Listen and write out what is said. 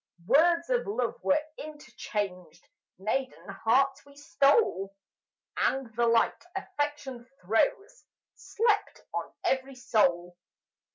Words of love were interchanged, Maiden hearts we stole; And the light affection throws Slept on every soul.